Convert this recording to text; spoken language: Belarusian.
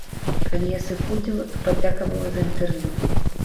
Калі я сыходзіла, то падзякавала за інтэрв'ю.